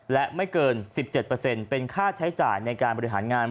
และไม่เกิน๑๗เป็นค่าใช้จ่ายในการบริหารงาน